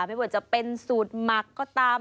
ไม่ว่าจะเป็นสูตรหมักก็ตาม